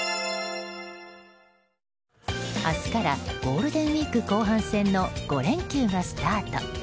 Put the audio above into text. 明日からゴールデンウィーク後半戦の５連休がスタート。